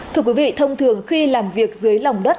thưa quý vị thông thường khi làm việc dưới lòng đất